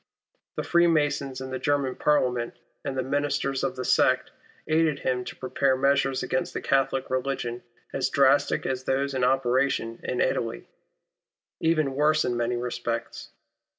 Tlie Freemasons in the German Parliament, and the Ministers of the sect, aided him to prepare measures against the Catholic religion as drastic as those in operation in Italy, even worse in many respects.